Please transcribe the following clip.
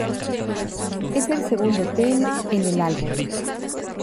Es el segundo tema en el álbum.